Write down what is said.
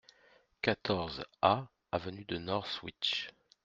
quatorze A avenue de Northwich